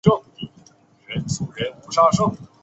庆应义塾大学毕业。